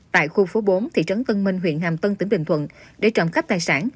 tại khu phố bốn thị trấn tân minh huyện hàm tân tỉnh bình thuận để trộm cắp tài sản